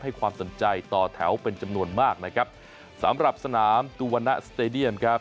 ความสนใจต่อแถวเป็นจำนวนมากนะครับสำหรับสนามตูวันนะสเตดียมครับ